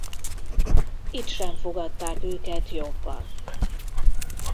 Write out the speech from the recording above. Itt sem fogadták őket jobban.